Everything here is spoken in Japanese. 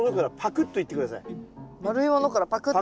丸いものからパクッと。